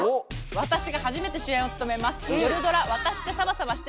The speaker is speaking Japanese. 私が初めて主演を務めます